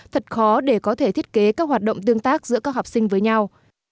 thật khó để có thể thiết kế các hoạt động tương tác giữa các học sinh với nhau